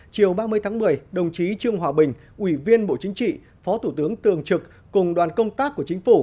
chiều ba mươi tháng một mươi đồng chí trương hòa bình ủy viên bộ chính trị phó thủ tướng tường trực cùng đoàn công tác của chính phủ